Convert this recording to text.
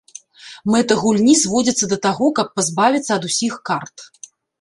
Мэта гульні зводзіцца да таго, каб пазбавіцца ад усіх карт.